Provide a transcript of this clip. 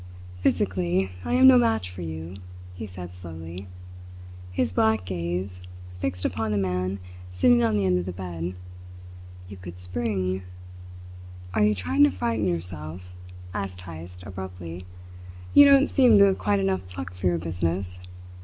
"Physically I am no match for you," he said slowly, his black gaze fixed upon the man sitting on the end of the bed. "You could spring " "Are you trying to frighten yourself?" asked Heyst abruptly. "You don't seem to have quite enough pluck for your business.